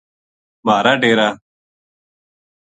مھارا ڈیرا